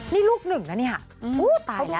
นี่ลูกหนึ่งนะเนี่ยอู้ตายแล้ว